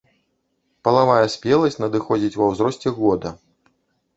Палавая спеласць надыходзіць ва ўзросце года.